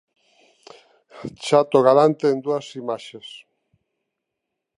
Chato Galante en dúas imaxes.